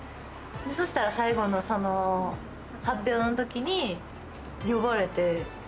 そしたら、最後の、発表のときに呼ばれて。